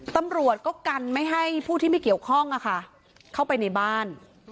ตำรวจก็กันไม่ให้ผู้ที่ไม่เกี่ยวข้องเข้าไปในบ้าน